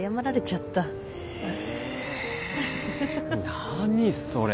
何それ。